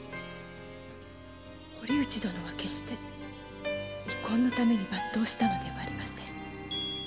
堀内殿は決して遺恨のために抜刀したのではありません。